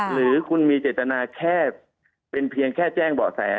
หรือคุณมีเจตนาแค่เป็นเพียงแค่แจ้งเบาะแส